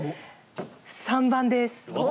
３番です。